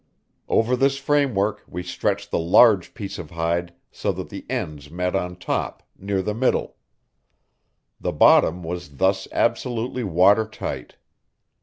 Over this framework we stretched the large piece of hide so that the ends met on top, near the middle. The bottom was thus absolutely watertight.